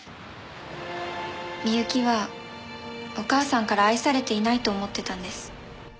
美雪はお母さんから愛されていないと思ってたんです。